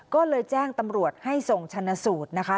ก็เลยแจ้งตำรวจให้ส่งชนะสูตรนะคะ